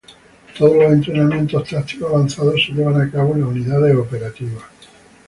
Todos los entrenamientos tácticos avanzado se llevan a cabo en las unidades operativas.